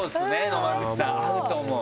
野間口さん合うと思う。